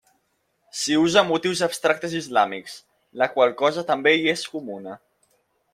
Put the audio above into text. S'hi usa motius abstractes islàmics, la qual cosa també hi és comuna.